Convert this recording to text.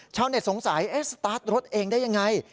ชาวเน็ตสงสัยสตาร์ทรถเองได้ยังไง